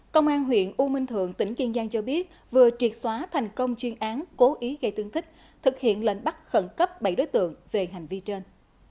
công an huyện u minh thượng tỉnh kiên giang cho biết vừa triệt xóa thành công chuyên án cố ý gây thương tích thực hiện lệnh bắt khẩn cấp bảy đối tượng về hành vi trên